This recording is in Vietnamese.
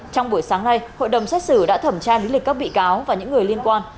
trong buổi sáng nay hội đồng xét xử đã thẩm tra lý lịch các bị cáo và những người liên quan